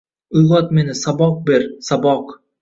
Uygʼot meni, saboq ber, saboq